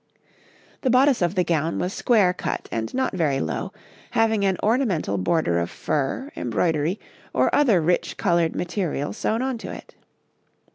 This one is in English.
}] The bodice of the gown was square cut and not very low, having an ornamental border of fur, embroidery, or other rich coloured material sewn on to it.